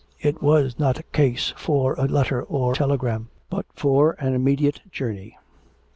It was not a case for a letter or telegram, but for an immediate journey.